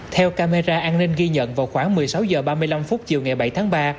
theo camera an ninh ghi nhận vào khoảng một mươi sáu h ba mươi năm chiều ngày bảy tháng ba